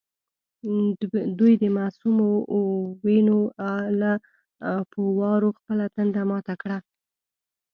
دوی د معصومو وینو له فووارو خپله تنده ماته کړه.